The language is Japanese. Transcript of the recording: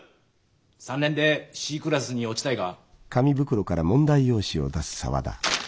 ３年でＣクラスに落ちたいか？